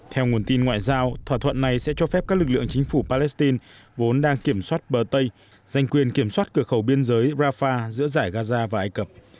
theo nguồn tin ngoại giao thỏa thuận này sẽ cho phép các lực lượng chính phủ palestine vốn đang kiểm soát bờ tây giành quyền kiểm soát cửa khẩu biên giới rafah giữa giải gaza và ai cập